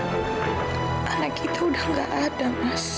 anak kita udah gak ada mas